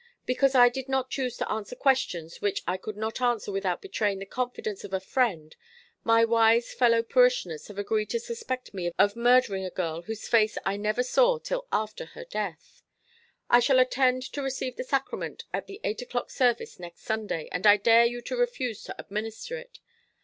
"Because I did not choose to answer questions which I could not answer without betraying the confidence of a friend, my wise fellow parishioners have agreed to suspect me of murdering a girl whose face I never saw till after her death. "I shall attend to receive the sacrament at the eight o'clock service next Sunday, and I dare you to refuse to administer it.